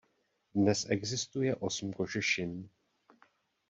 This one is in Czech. Dnes existuje osm kožešin.